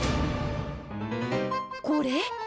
これ？